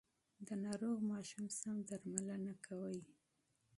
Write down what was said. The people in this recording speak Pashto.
د ناروغ ماشوم سم درملنه کوي.